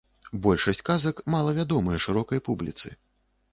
Большасць казак малавядомыя шырокай публіцы.